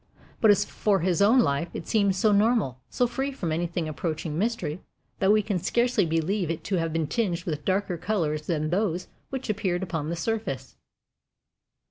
But as for his own life, it seemed so normal, so free from anything approaching mystery, that we can scarcely believe it to have been tinged with darker colors than those which appeared upon the surface.